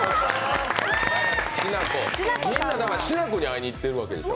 みんな、しなこに会いに行ってるわけでしょ？